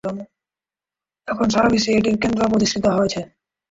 এখন সারাবিশ্বে এটির কেন্দ্র প্রতিষ্ঠিত হয়েছে।